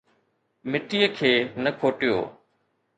مٽيءَ کي نه کوٽيو